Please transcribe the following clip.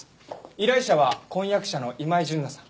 依頼者は婚約者の今井純奈さん。